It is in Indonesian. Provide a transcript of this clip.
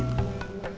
tuti belum nikah